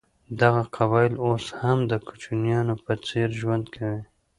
دغه قبایل اوس هم د کوچیانو په څېر ژوند کوي.